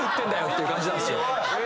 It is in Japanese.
⁉って感じなんですよ。